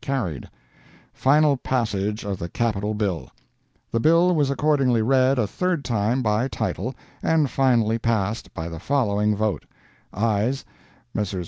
Carried. FINAL PASSAGE OF THE CAPITAL BILL The bill was accordingly read a third time by title, and finally passed, by the following vote: AYES—Messrs.